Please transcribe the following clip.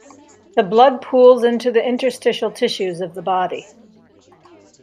The blood pools into the interstitial tissues of the body.